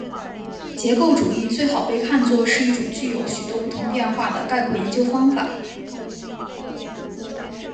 结构主义最好被看作是一种具有许多不同变化的概括研究方法。